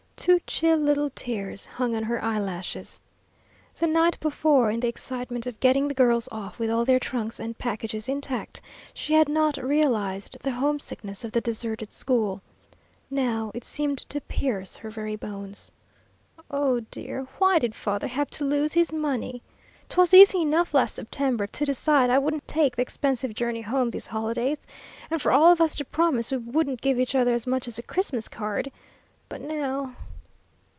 Two chill little tears hung on her eyelashes. The night before, in the excitement of getting the girls off with all their trunks and packages intact, she had not realized the homesickness of the deserted school. Now it seemed to pierce her very bones. "Oh, dear, why did father have to lose his money? 'Twas easy enough last September to decide I wouldn't take the expensive journey home these holidays, and for all of us to promise we wouldn't give each other as much as a Christmas card. But now!"